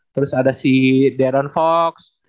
terus ada si darren fox